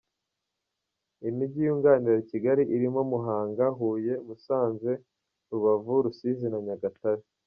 Imijyi yunganira Kigali irimo Muhanga, Huye, Musanze, Rubavu, Rusizi na Nyagatare.